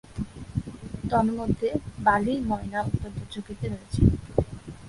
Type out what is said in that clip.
তন্মধ্যে, Bali myna অত্যন্ত ঝুঁকিতে রয়েছে।